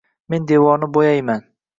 men devorni bo‘yayman